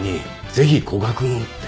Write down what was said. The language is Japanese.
ぜひ古賀君をって